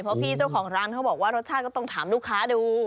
เพราะพี่เจ้าของร้านเขาบอกว่ารสชาติก็ต้องถามลูกค้าดู